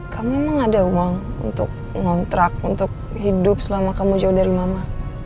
kamu emang ada uang untuk ngontrak untuk hidup selama kamu jauh dari mama